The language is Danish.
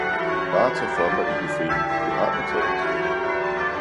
Bare tag for dig i buffeten, du har betalt.